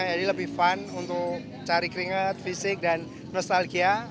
jadi lebih fun untuk cari keringat fisik dan nostalgia